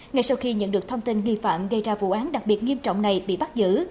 ngay sau khi nhận được thông tin nghi phạm gây ra vụ án đặc biệt nghiêm trọng này bị bắt giữ